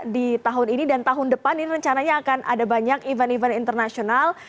dan tahun depan ini rencananya akan ada banyak event event internasional